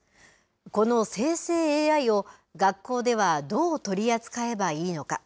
この生成ＡＩを学校ではどう取り扱えばいいのか。